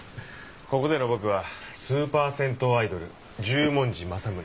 ここでの僕はスーパー銭湯アイドル十文字政宗。